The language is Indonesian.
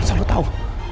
asal lo tau